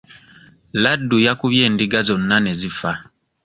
Laddu yakubye endiga zonna ne zifa.